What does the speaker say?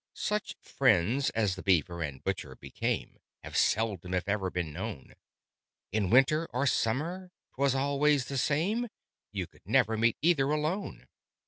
Such friends, as the Beaver and Butcher became, Have seldom if ever been known; In winter or summer, 'twas always the same You could never meet either alone.